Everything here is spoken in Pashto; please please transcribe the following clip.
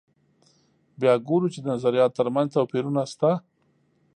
بیا وګورو چې د نظریاتو تر منځ توپیرونه شته.